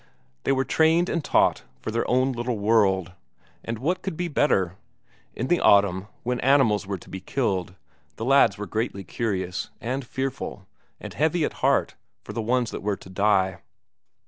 They were trained and taught for their own little world, and what could be better? In the autumn, when animals were to be killed, the lads were greatly curious, and fearful, and heavy at heart for the ones that were to die.